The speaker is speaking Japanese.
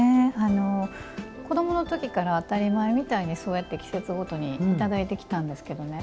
子どもの時から当たり前みたいにそうやって季節ごとにいただいてきたんですけどね。